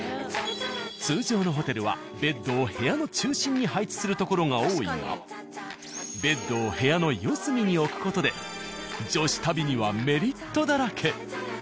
通常のホテルはベッドを部屋の中心に配置するところが多いがベッドを部屋の四隅に置く事で女子旅にはメリットだらけ。